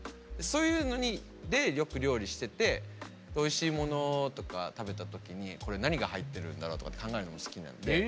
そういうのでよく料理してておいしいものとか食べた時にこれ何が入ってるんだろうとかって考えるの好きになって。